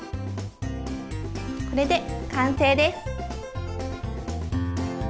これで完成です。